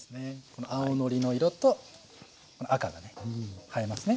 この青のりの色とこの赤がね映えますね。